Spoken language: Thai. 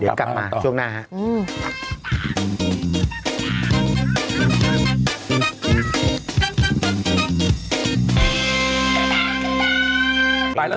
เดี๋ยวกลับมาช่วงหน้าครับ